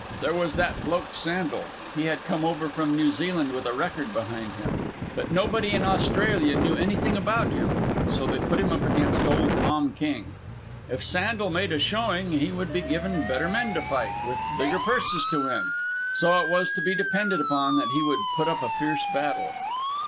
There was that bloke, Sandel. He had come over from New Zealand with a record behind him. But nobody in Australia knew anything about him, so they put him up against old Tom King. If Sandel made a showing, he would be given better men to fight, with bigger purses to win; so it was to be depended upon that he would put up a fierce battle.